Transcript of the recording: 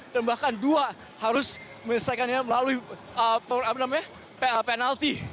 dan bahkan dua harus menyelesaikannya melalui penalti